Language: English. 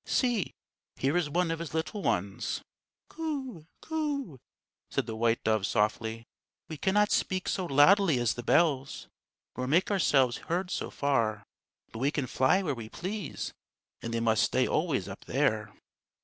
See! here is one of his little ones!" "Coo, coo," said the white doves softly; "we cannot speak so loudly as the bells, nor make ourselves heard so far; but we can fly where we please, and they must stay always up there."